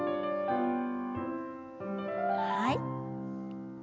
はい。